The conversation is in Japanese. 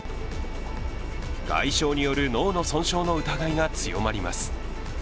外傷による脳の損傷の疑いが強まります。